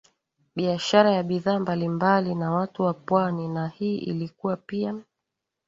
biashara ya bidhaa mbalimbali na watu wa pwani na hii ilikuwa pia